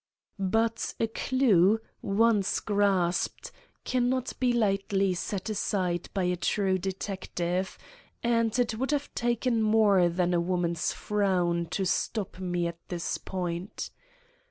But a clue, once grasped, cannot be lightly set aside by a true detective, and it would have taken more than a woman's frown to stop me at this point.